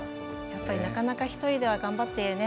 やっぱり、なかなか１人では頑張って。